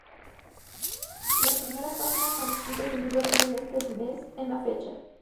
Las primeras páginas manuscritas del libro tienen este mes en la fecha.